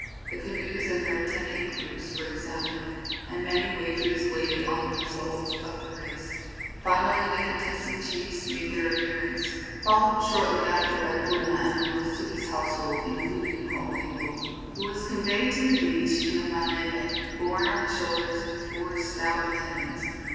The canoes and their attending crews were examined, and many wagers laid on the result of the race. Finally the contesting chiefs made their appearance, followed shortly after by Puna and the most of his household, including Hooipo, who was conveyed to the beach in a manele borne on the shoulders of four stout attendants.